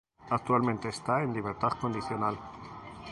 Actualmente está en libertad condicional.